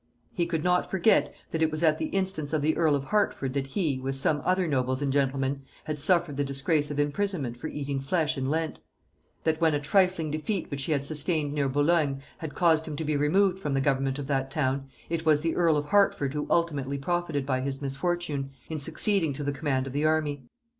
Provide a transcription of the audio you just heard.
He could not forget that it was at the instance of the earl of Hertford that he, with some other nobles and gentlemen, had suffered the disgrace of imprisonment for eating flesh in Lent; that when a trifling defeat which he had sustained near Boulogne had caused him to be removed from the government of that town, it was the earl of Hertford who ultimately profited by his misfortune, in succeeding to the command of the army.